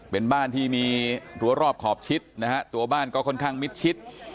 เป็นบ้านที่มีรั้วรอบขอบชิดนะฮะตัวบ้านก็ค่อนข้างมิดชิด